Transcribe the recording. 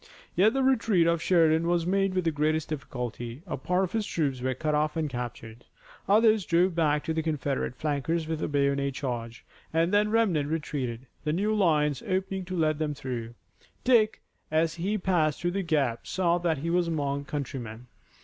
Yet the retreat of Sheridan was made with the greatest difficulty. A part of his troops were cut off and captured. Others drove back the Confederate flankers with a bayonet charge, and then the remnant retreated, the new lines opening to let them through. Dick, as he passed through the gap, saw that he was among countrymen.